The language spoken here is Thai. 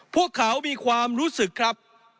พวกเขามีความรู้สึกครับ